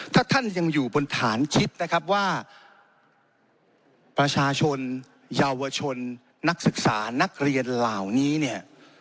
ถ้าท่านยังอยู่บนฐานคิดนะครับว่าประชาชนเยาวชนนักศึกษานักเรียนเหล่านี้เนี่ย